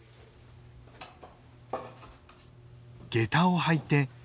下駄を履いて。